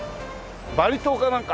バリ島かなんか。